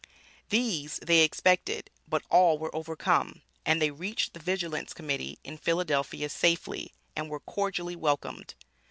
These they expected, but all were overcome, and they reached the Vigilance Committee, in Philadelphia safely, and were cordially welcomed.